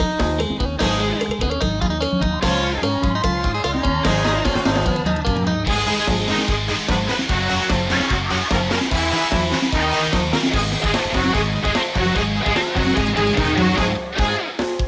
รักนธรรม